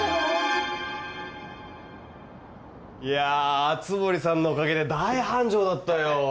いや熱護さんのおかげで大繁盛だったよ。